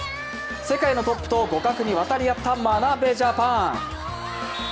世界のトップと互角に渡り合った眞鍋ジャパン。